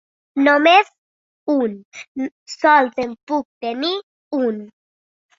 Només un; sols en puc tenir un.